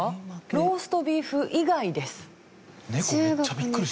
ローストビーフ以外です。